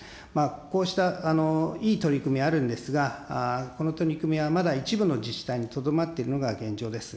こうしたいい取り組み、あるんですが、この取り組みはまだ一部の自治体にとどまっているのが現状です。